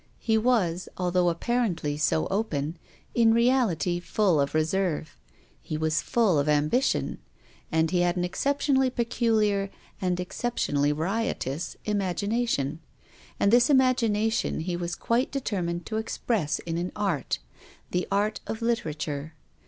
He was, although apparently so open, in reality full of reserve. He was full of ambition. And he had an exceptionally peculiar, and exception ally riotous, imagination. And this imagination he was quite determined to express in an art — the art of literature.